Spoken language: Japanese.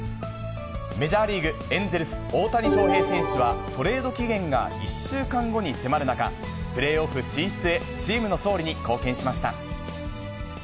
メジャーリーグ・エンゼルス、大谷翔平選手は、トレード期限が１週間後に迫る中、プレーオフ進出へ、チームの勝利に貢献しました。